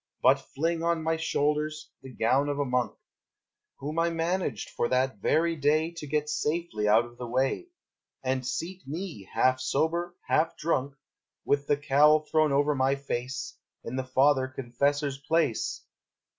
but fling On my shoulders the gown of a monk Whom I managed for that very day To get safely out of the way And seat me, half sober, half drunk, With the cowl thrown over my face, In the father confessor's place.